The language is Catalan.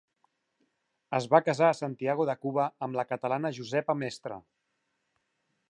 Es va casar a Santiago de Cuba amb la catalana Josepa Mestre.